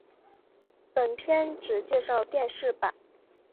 本篇只介绍电视版。